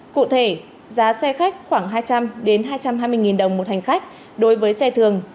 cụ thể giá xe khách khoảng hai trăm linh hai trăm hai mươi đồng một hành khách đối với xe thường